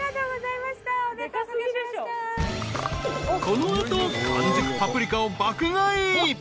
［この後完熟パプリカを爆買い］